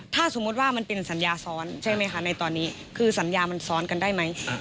ถ้าสมมุติว่ามันเป็นสัญญาซ้อนใช่ไหมคะในตอนนี้คือสัญญามันซ้อนกันได้ไหม